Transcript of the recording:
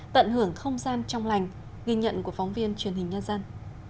tận hưởng không gian trong lành ghi nhận của phóng viên truyền hình nhân dân